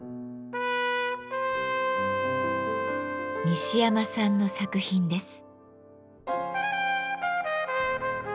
西山さんの作品です。